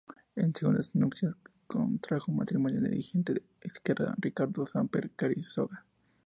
En segundas nupcias contrajo matrimonio con el dirigente de izquierda Ricardo Samper Carrizosa.